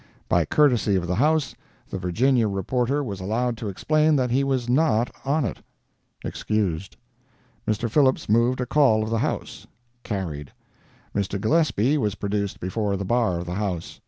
By courtesy of the House, the Virginia reporter was allowed to explain that he was not on it. [Excused.] Mr. Phillips moved a call of the House. Carried. Mr. Gillespie was produced before the bar of the House.